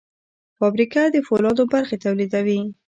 فابریکه د فولادو برخې تولیدوي.